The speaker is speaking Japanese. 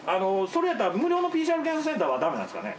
それやったら、無料のＰＣＲ検査センターはだめなんですかね？